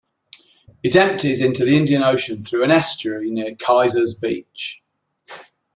It empties into the Indian Ocean though an estuary near Kayser's Beach.